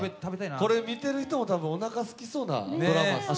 これ、見ている人もおなかがすきそうなドラマですね。